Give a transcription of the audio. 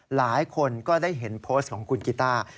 หลายคนก็ได้เห็นโพสต์ของคุณกีต้า